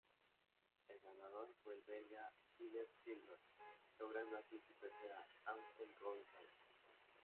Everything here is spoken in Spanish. El ganador fue el belga Philippe Gilbert, logrando así su tercera Amstel Gold Race.